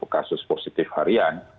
kasus positif harian